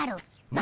何！？